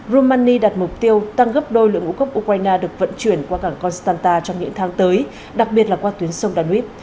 romani đặt mục tiêu tăng gấp đôi lượng ngũ cốc ukraine được vận chuyển qua cảng constanta trong những tháng tới đặc biệt là qua tuyến sông danub